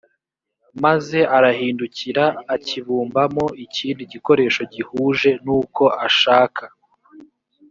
maze arahindukira akibumbamo ikindi gikoresho gihuje n uko ashaka